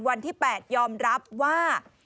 วันที่๘ยอมรับว่า